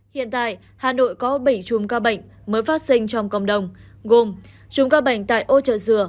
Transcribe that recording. hiện tại hà nội có bảy chùm ca bệnh mới phát sinh trong cộng đồng gồm chùm ca bệnh tại ô trợ dừa